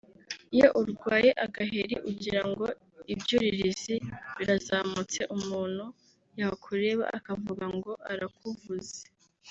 iyo urwaye agaheri ugira ngo ibyuririzi birazamutse… Umuntu yakureba akavuga ngo arakuvuze